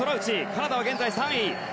カナダは現在３位。